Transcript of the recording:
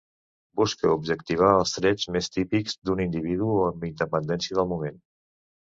Busca objectivar els trets més típics d'un individu amb independència del moment.